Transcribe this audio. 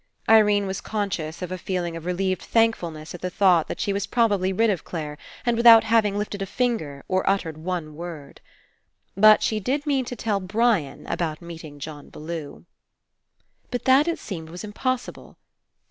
Irene was conscious of a feeling of re i8s PASSING lleved thankfulness at the thought that she was probably rid of Clare, and without having lifted a finger or uttered one word. But she did mean to tell Brian about meeting John Bellew. But that, it seemed, was impossible.